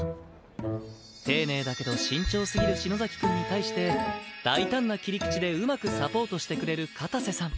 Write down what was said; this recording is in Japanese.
丁寧だけど慎重すぎる篠崎くんに対して大胆な切り口でうまくサポートしてくれる片瀬さん。